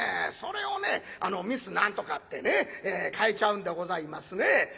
それをねミス何とかってね変えちゃうんでございますね。